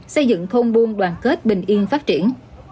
xây dựng thôn buôn đoàn kết bình yên phát triển